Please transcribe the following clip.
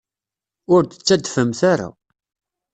Ur d-ttadfemt ara.